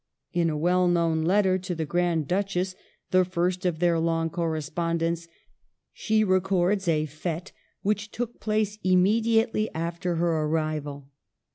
In a well known letter to the Grand Duchess (the first of their long correspondence), she re cords zfite which took place immediately after her arrival.